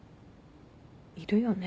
いるよね。